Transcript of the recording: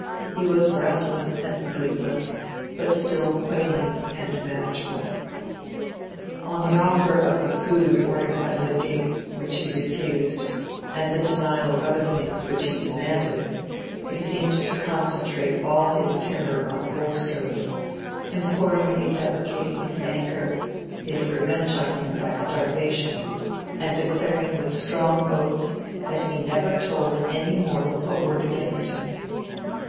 He was restless and sleepless, but still quailing and manageable. On the offer of the food ordered by Lydgate, which he refused, and the denial of other things which he demanded, he seemed to concentrate all his terror on Bulstrode, imploringly deprecating his anger, his revenge on him by starvation, and declaring with strong oaths that he had never told any mortal a word against him.